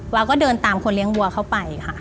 วาวก็เดินตามคนเลี้ยงวัวเข้าไปค่ะ